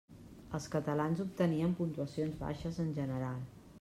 Els catalans obtenien puntuacions baixes en general.